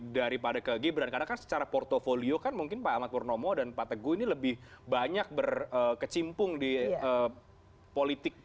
daripada ke gibran karena kan secara portfolio kan mungkin pak ahmad purnomo dan pak teguh ini lebih banyak berkecimpung di politik